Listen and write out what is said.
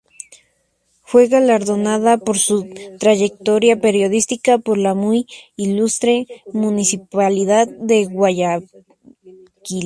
Fue galardonada por su trayectoria periodística por la Muy Ilustre Municipalidad de Guayaquil.